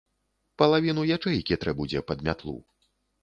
Палавіну ячэйкі трэ будзе пад мятлу.